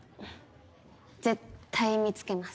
絶対見つけます。